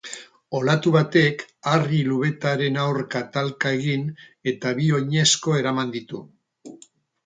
Olatu batek harri-lubetaren aurka talka egin eta bi oinezko eraman ditu.